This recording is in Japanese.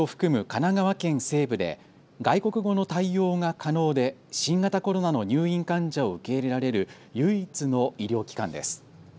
神奈川県西部で外国語の対応が可能で新型コロナの入院患者を受け入れられる唯一の医療機関です。